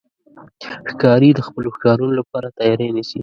ښکاري د خپلو ښکارونو لپاره تیاری نیسي.